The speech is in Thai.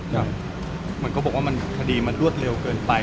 เหมือนเขาบอกว่าคดีมันรวดเร็วเกินไป